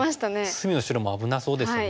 隅の白も危なそうですよね。